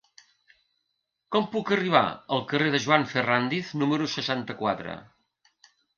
Com puc arribar al carrer de Joan Ferrándiz número seixanta-quatre?